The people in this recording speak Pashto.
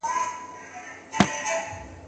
ماشومان ژبه ورو ورو زده کوي.